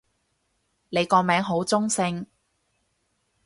你個名好中性